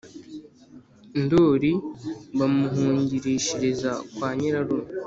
ndoli bamuhungishiriza kwa nyirarume.